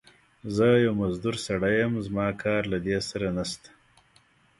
زه يو مزدور سړی يم، زما کار له دې سره نشته.